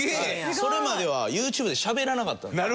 それまではＹｏｕＴｕｂｅでしゃべらなかった。